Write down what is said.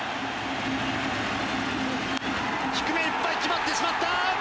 低めいっぱい！決まってしまった！